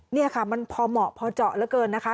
นี่ค่ะมันพอเหมาะพอเจาะเหลือเกินนะคะ